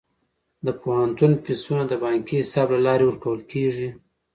د پوهنتون فیسونه د بانکي حساب له لارې ورکول کیږي.